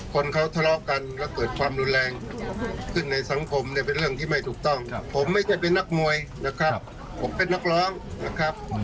ก็ต้องได้รับผลกรรมเช่นนั้นเป็นเรื่องปกตินะครับ